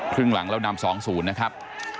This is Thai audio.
ครึ่งหลังเรานำ๒๐นะครับ